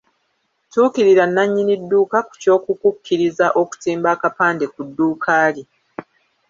Tuukirira nannyini dduuka ku ky’okukukkiriza okutimba akapande ku dduuka lye.